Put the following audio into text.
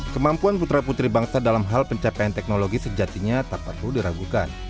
kemampuan putra putri bangsa dalam hal pencapaian teknologi sejatinya tak perlu diragukan